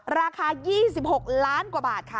ราคา๒๖ล้านกว่าบาทค่ะ